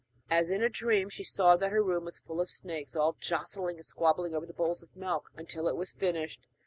As in a dream, she saw that her room was full of snakes, all jostling and squabbling over the bowls of milk until it was finished.